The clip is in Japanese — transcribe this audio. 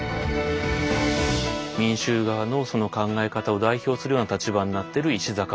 民衆側のその考え方を代表するような立場になってるうん。